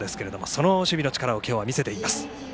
その守備の力を今日は見せています。